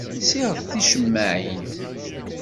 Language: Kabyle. Ssiɣet ticemmaɛin.